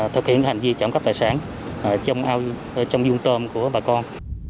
thực hiện hành vi trộm cắp tài sản trong dung tôm của bà con